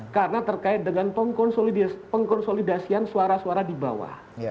karena terkait dengan pengkonsolidasian suara suara di bawah